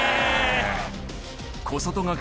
小外掛け。